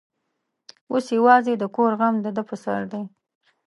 اوس یوازې د کور غم د ده پر سر دی.